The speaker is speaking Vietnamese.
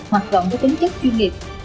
hoặc gọn với tính chất chuyên nghiệp